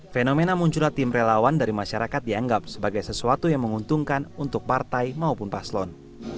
fenomena munculnya tim relawan dari masyarakat dianggap sebagai sesuatu yang menguntungkan untuk partai maupun paslon